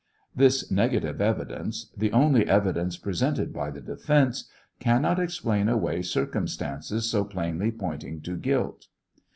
This negative evidence — the only evidence presented by the defence — cannot explain away circumstances so plainly pointing to guilt.